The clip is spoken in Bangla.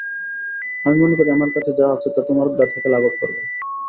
আমি মনে করি আমার কাছে যা আছে তা তোমার ব্যাথাকে লাঘব করবে।